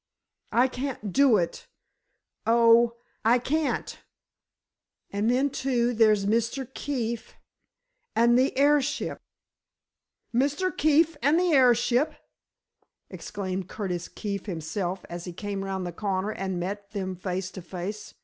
"I can't do it—oh, I can't! And, then, too, there's Mr. Keefe—and the heirship!" "Mr. Keefe and the airship!" exclaimed Curtis Keefe himself, as he came round the corner and met them face to face.